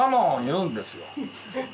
いうんですよ